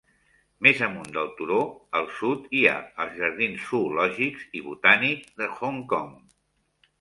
Més amunt del turó, al sud, hi ha els Jardins Zoològics i Botànic de Hong Kong.